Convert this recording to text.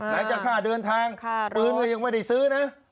ไหนจะค่าเดินทางปืนก็ยังไม่ได้ซื้อนะ